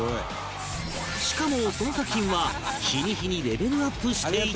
しかもその作品は日に日にレベルアップしていて